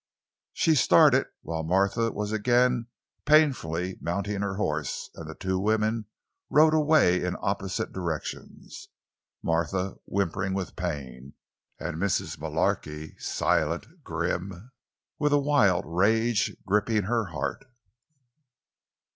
She started while Martha was again painfully mounting her horse, and the two women rode away in opposite directions—Martha whimpering with pain, and Mrs. Mullarky silent, grim, with a wild rage gripping her heart.